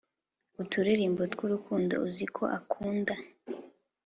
uturirimbo tw’urukundo uziko akunda,